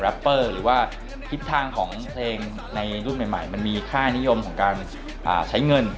เชื่อว่าเพลงในรุ่นใหม่มันมีค่านิยมของการใช้เงิน